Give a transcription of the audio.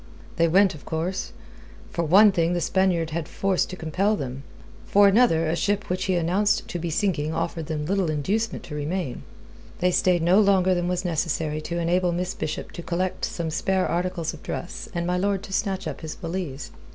They went, of course. For one thing the Spaniard had force to compel them; for another a ship which he announced to be sinking offered them little inducement to remain. They stayed no longer than was necessary to enable Miss Bishop to collect some spare articles of dress and my lord to snatch up his valise.